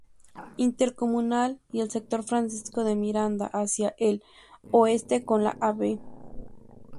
Intercomunal y el Sector Francisco de Miranda; hacia el oeste con la Av.